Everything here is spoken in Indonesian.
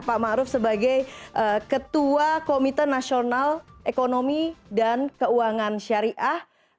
pak ma'ruf sebagai ketua komite nasional ekonomi dan keuangan syariah